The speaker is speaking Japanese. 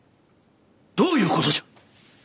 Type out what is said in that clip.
どういう事じゃ！？